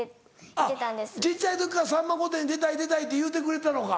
小っちゃい時から『さんま御殿‼』出たい出たいって言うてくれてたのか。